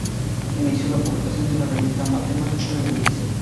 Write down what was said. Inició la publicación de la revista "Mathematical Reviews".